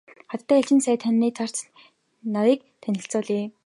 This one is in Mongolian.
Хатагтай элчин сайд таны зарц нарыг танилцуулъя.